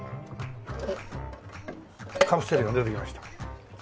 カプセルが出てきました。